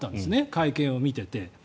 会見を見ていて。